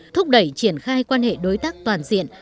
thúc đẩy triển khai quan hệ đối tác toàn diện